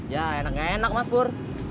ya enak enak mas bur